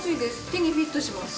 手にフィットします。